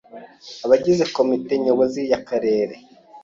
Abagize Komite Nyobozi y’Akarere;